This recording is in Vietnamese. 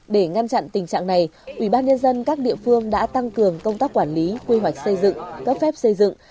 để ngăn chặn tình trạng này ubnd các địa phương đã tăng cường công tác quản lý quy hoạch xây dựng cấp phép xây dựng